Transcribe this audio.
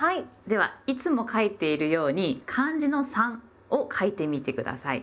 ではいつも書いているように漢字の「三」を書いてみて下さい。